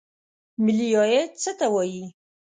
ملي عاید څه ته وایي؟